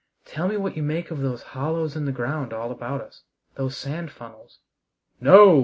Tell me what you make of those hollows in the ground all about us, those sand funnels?" "No!"